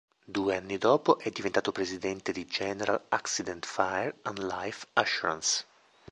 Due anni dopo è diventato presidente di General Accident Fire and Life Assurance.